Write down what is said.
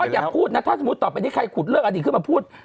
อย่าพูดนะถ้าสมมุติต่อไปนี้ใครขุดเรื่องอดีตขึ้นมาพูด